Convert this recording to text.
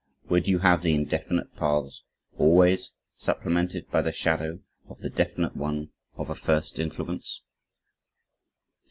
Would you have the indefinite paths ALWAYS supplemented by the shadow of the definite one of a first influence?